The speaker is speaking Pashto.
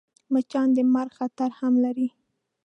مچان د مرګ خطر هم لري